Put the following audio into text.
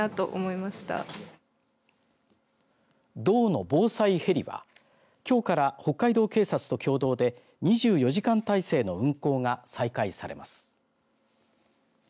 道の防災ヘリはきょうから北海道警察と共同で２４時間体制の運航が再開されます。